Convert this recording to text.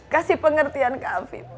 kasih pengertian ke afid